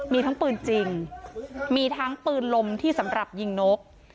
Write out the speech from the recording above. มีทั้งปืนจริงมีทั้งปืนลมที่สำหรับยิงนก